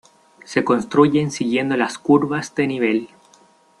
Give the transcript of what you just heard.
Se construyen siguiendo las curvas de nivel.